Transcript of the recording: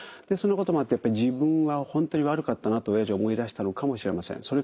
そのこともあって自分は本当に悪かったなとおやじは思いだしたのかもしれません。